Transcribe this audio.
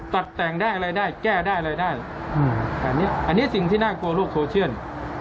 ตัดแต่งได้อะไรได้แก้ได้อะไรได้อันนี้อันนี้สิ่งที่น่ากลัวโลกโซเชียล